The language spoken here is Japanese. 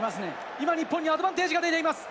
今、日本にアドバンテージが出ています。